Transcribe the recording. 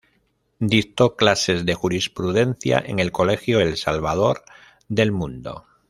Dictó clases de jurisprudencia en el colegio El Salvador del Mundo.